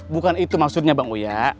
bukan itu maksudnya bang uya